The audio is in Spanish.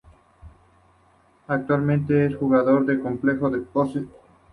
Actualmente es jugador de Complejo de Posse.